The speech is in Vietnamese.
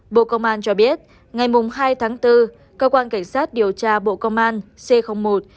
bộ công an cho biết ngày hai tháng bốn cơ quan cảnh sát điều tra bộ công an c một